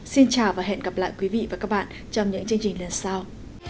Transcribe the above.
xin chào và hẹn gặp lại quý vị và các bạn trong những chương trình lần sau